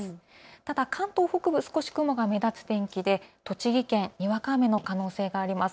ただ関東北部、少し雲が目立つ天気で栃木県、にわか雨の可能性があります。